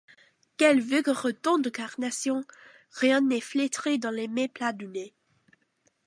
Quels vigoureux tons de carnation! rien n’est flétri dans les méplats du nez.